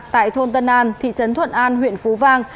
tại thôn tân an thị trấn thuận an huyện phú vang